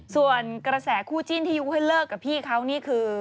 ส่วนกระแสคู่จิ้นที่ยุให้เลิกกับพี่เขานี่คือ